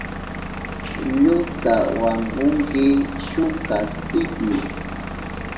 Iluta wankunki shuk kaspipi.